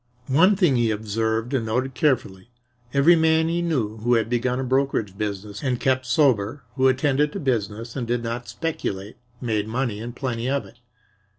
One thing he observed and noted carefully every man he knew who had begun a brokerage business and kept sober, who attended to business and did not speculate, made money and plenty of it.